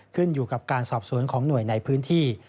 ขึ้นอยู่กับการสอบสวนของหน่วยในพื้นที่